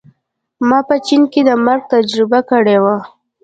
ما په چین کې د مرګ تجربه کړې وه